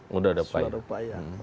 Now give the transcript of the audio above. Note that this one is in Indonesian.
sudah ada upaya